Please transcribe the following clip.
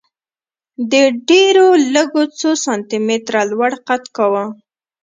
دې ډېرو لږو څو سانتي متره لوړ قد کاوه